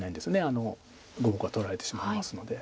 あの５個が取られてしまいますので。